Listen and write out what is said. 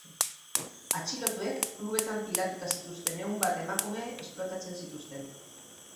Atxilotuek klubetan pilatuta zituzten ehun bat emakume esplotatzen zituzten.